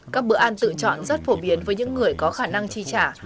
các bữa ăn tự chọn rất phổ biến với những người có khả năng chi trả